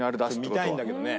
見たいんだけどね。